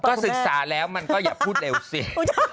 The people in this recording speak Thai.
ก็ศึกษาแล้วมันก็อย่าพูดเร็วสิ